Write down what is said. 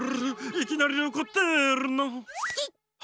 いきなりおこってるの！